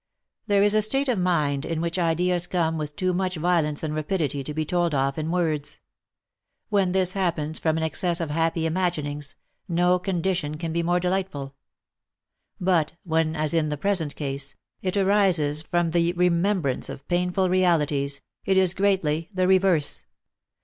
There is a state of mind in which ideas come with too much violence and rapidity to be told off in words. When this happens from an excess of happy imaginings, no condition can be more delightful : but when, as in the present case, it arises from the remembrance of painful realities, it is greatly the reverse.